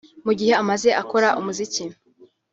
mu gihe amaze akora umuziki